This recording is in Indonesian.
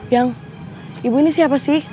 yang ibu ini siapa sih